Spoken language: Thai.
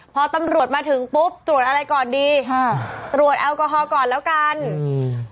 พอตำรวจมาถึงปุ๊บตรวจอะไรก่อนดีค่ะตรวจแอลกอฮอล์ก่อนแล้วกันอืม